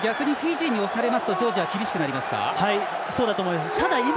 逆にフィジーに押されますとジョージア厳しくなりますか？